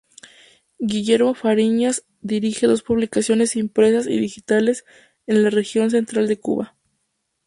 Guillermo Fariñas dirige dos publicaciones impresas y digitales en la región central de Cuba.